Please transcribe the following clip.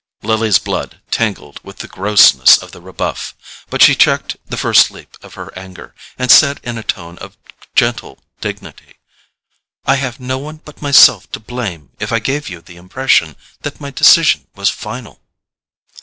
Lily's blood tingled with the grossness of the rebuff; but she checked the first leap of her anger, and said in a tone of gentle dignity: "I have no one but myself to blame if I gave you the impression that my decision was final."